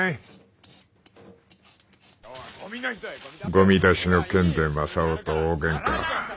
「ゴミ出しの件で雅夫と大喧嘩。